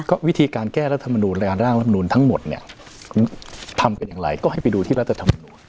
ก็วิธีการแก้รัฐมนูลและร่างรับนูนทั้งหมดเนี่ยทำกันอย่างไรก็ให้ไปดูที่รัฐธรรมนูญ